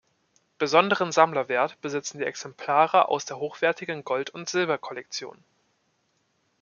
Besonderen Sammlerwert besitzen die Exemplare aus der hochwertigen Gold- und Silber-Kollektion.